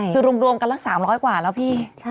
คือรวมกันละ๓๐๐กว่าแล้วพี่